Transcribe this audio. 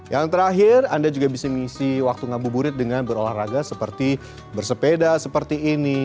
yang terakhir anda juga bisa mengisi waktu ngabuburit dengan berolahraga seperti bersepeda seperti ini